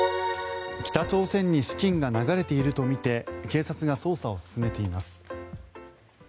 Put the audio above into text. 北朝鮮に資金が流れているとみて警察が捜査を進めています。